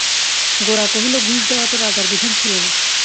গোরা কহিল, ঘুষ দেওয়া তো রাজার বিধান ছিল না।